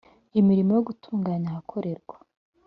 imirimo yo gutunganya ahakorerwa